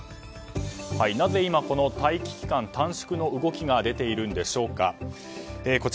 なぜ今、待機期間短縮の動きが出ているんでしょうか。